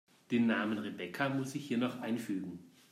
Den Namen Rebecca muss ich hier noch einfügen.